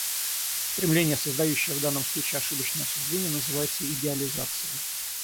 Стремление, создающее в данном случае ошибочное суждение, называется идеализацией.